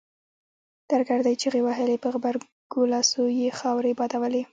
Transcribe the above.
درګرده يې چيغې وهلې په غبرګو لاسونو يې خاورې بادولې.